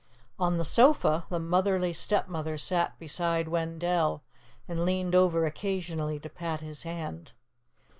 On the sofa, the motherly Stepmother sat beside Wendell and leaned over occasionally to pat his hand.